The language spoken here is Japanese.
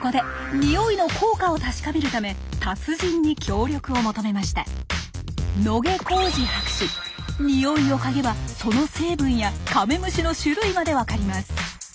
ニオイを嗅げばその成分やカメムシの種類まで分かります。